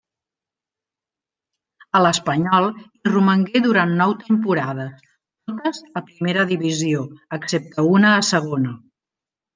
A l'Espanyol hi romangué durant nou temporades, totes a primera divisió, excepte una a Segona.